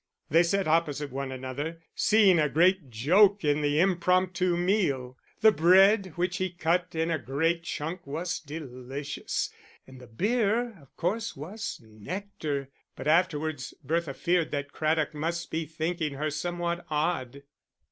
They sat opposite one another, seeing a great joke in the impromptu meal. The bread, which he cut in a great chunk, was delicious, and the beer, of course, was nectar. But afterwards, Bertha feared that Craddock must be thinking her somewhat odd.